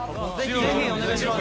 ぜひお願いします！